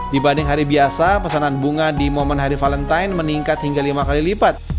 dibanding hari biasa pesanan bunga di momen hari valentine meningkat hingga lima kali lipat